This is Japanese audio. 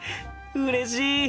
うれしい！